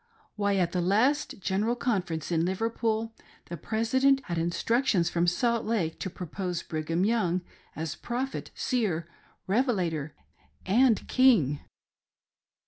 Why, at the last general conference in Liverpool, the president had instruc tions from Salt Lake to propose Brigham Young as 'prophet, seer, revelator, and King!'"